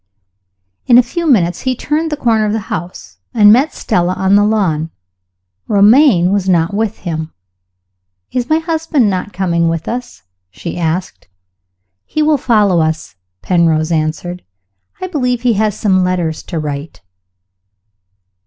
In a few minutes he turned the corner of the house, and met Stella on the lawn. Romayne was not with him. "Is my husband not coming with us?" she asked. "He will follow us," Penrose answered. "I believe he has some letters to write."